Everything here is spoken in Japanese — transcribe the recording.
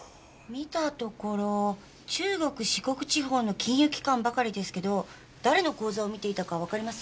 見たところ中国・四国地方の金融機関ばかりですけど誰の口座を見ていたかわかります？